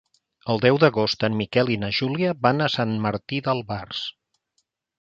El deu d'agost en Miquel i na Júlia van a Sant Martí d'Albars.